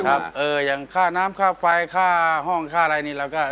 ครับอย่างค่าน้ำค่าไฟค่าห้องค่าอะไรนี้แล้วก็เออ